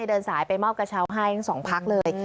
เดินสายไปมอบกระเช้าอ่ะอีก๒พรรคเลย